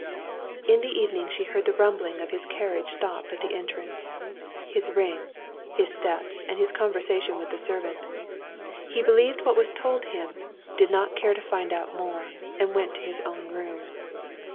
In the evening she heard the rumbling of his carriage stop at the entrance, his ring, his steps and his conversation with the servant; he believed what was told him, did not care to find out more, and went to his own room.